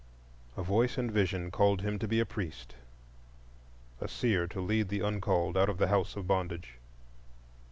A voice and vision called him to be a priest,—a seer to lead the uncalled out of the house of bondage.